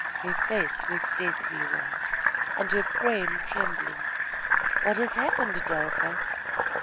Her face was deathly white, and her frame trembling. "What has happened, Adelpha?"